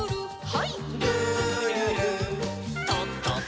はい。